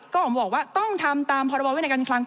ก็บอกว่าต้องทำตามพรบวินัยการคลัง